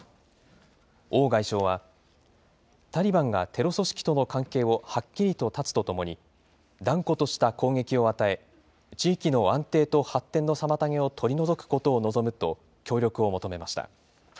王外相は、タリバンがテロ組織との関係をはっきりと断つとともに、断固とした攻撃を与え、地域の安定と発展の妨げを取り除くことを望むと、協力を求めました。